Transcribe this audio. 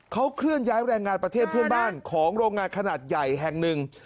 เขาเคลื่อนย้ายแรงงานประเทศเพื่อนบ้านของโรงงานขนาดใหญ่แห่งหนึ่ง